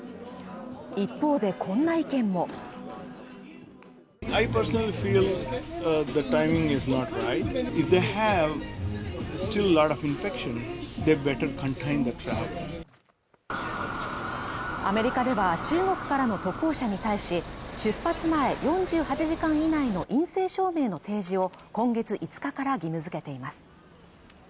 一方でこんな意見もアメリカでは中国からの渡航者に対し出発前４８時間以内の陰性証明の提示を今月５日から義務づけています